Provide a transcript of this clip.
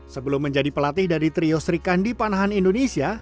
sebelum menjadi pelatih dari trio sri kandi panahan indonesia